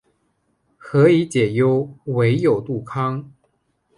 何以解忧，唯有杜康